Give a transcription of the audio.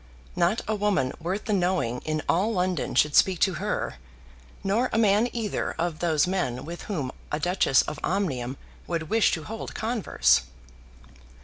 Not a woman worth the knowing in all London should speak to her; nor a man either of those men with whom a Duchess of Omnium would wish to hold converse.